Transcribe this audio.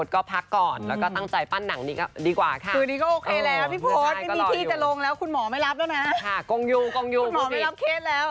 ค่ะกงยูกงยูคุณหมอไม่รับเคล็ดแล้ว